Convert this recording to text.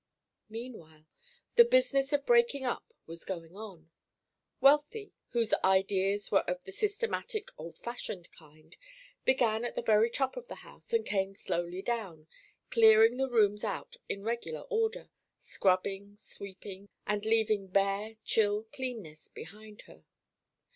Meanwhile, the business of breaking up was going on. Wealthy, whose ideas were of the systematic old fashioned kind, began at the very top of the house and came slowly down, clearing the rooms out in regular order, scrubbing, sweeping, and leaving bare, chill cleanness behind her.